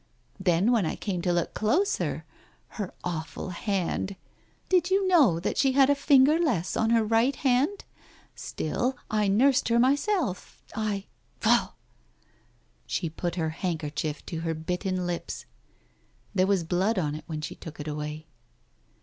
... Then when I came to look closer — her awful hand — did you know that she had a finger less on her right hand ?... Still, I nursed her myself, I — faugh !" She put her handkerchief to her bitten lips — there was blood on it when she took it away.